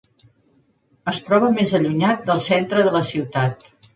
Es troba més allunyat del centre de la ciutat.